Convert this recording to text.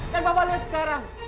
dan papa lihat sekarang